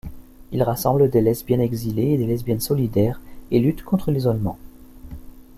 Il rassemble des lesbiennes exilées et des lesbiennes solidaires, et lutte contre l'isolement.